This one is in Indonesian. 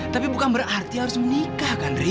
tapi bukan berarti harus menikah kan ria